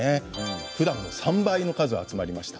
ふだんの３倍の数が集まりました。